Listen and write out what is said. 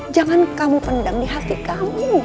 jangan kamu pendam di hati kami